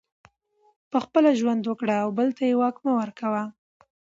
پخپله ژوند وکړه او بل ته یې واک مه ورکوه